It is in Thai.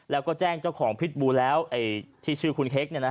แล้วก็แจ้งเจ้าของพิษบูแล้วที่ชื่อคุณเค้ก